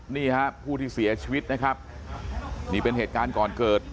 นี่ฮะผู้ที่เสียชีวิตนะครับนี่เป็นเหตุการณ์ก่อนเกิด